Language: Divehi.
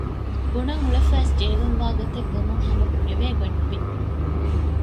ބުނަން އުޅެފަވެސް ޖެހިލުން ވާގޮތެއް ވުމުން ހަމަ ބުނެވޭގޮތް ނުވި